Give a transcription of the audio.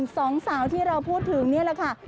สองสาวที่เราพูดถึงนี่แหละค่ะ